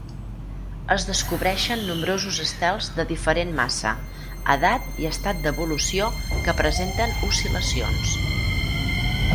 Es descobreixen nombrosos estels de diferent massa, edat i estat d'evolució que presenten oscil·lacions.